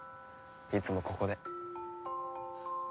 いつもここで。